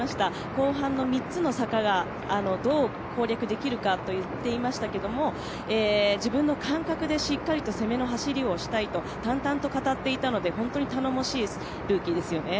後半の３つの坂がどう攻略できるかと言っていましたけれども、自分の感覚で、しっかりと攻めの走りをしたいと淡々と語っていたので、本当に頼もしいルーキーですよね。